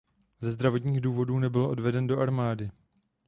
Ze zdravotních důvodů nebyl odveden do armády.